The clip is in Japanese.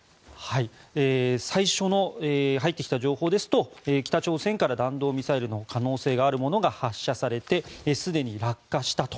最初に入ってきた情報ですと北朝鮮から弾道ミサイルの可能性があるものが発射されてすでに落下したと。